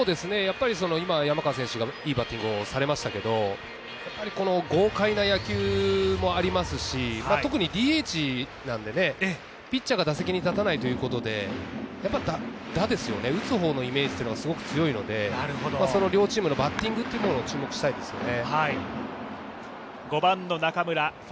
今山川選手がいいバッティングをされましたけれども、豪快な野球もありますし特にＤＨなので、ピッチャーが打席に立たないということで打つ方のイメージが強いので、その両チームのバッティングというところに注目したいですね。